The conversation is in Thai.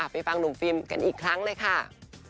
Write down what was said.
ไปฟังหนุ่มฟิล์มกันอีกครั้งเลยค่ะ